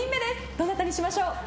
どなたにしましょう。